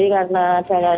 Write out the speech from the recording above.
jadi karena jaraknya mantul